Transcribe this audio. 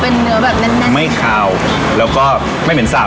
เป็นเนื้อแบบแน่นแน่นไม่ขาวแล้วก็ไม่เหม็นสับไม่เห็นสับ